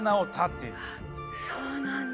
そうなんだ。